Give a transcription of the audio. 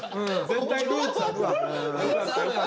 絶対ルーツあるわ。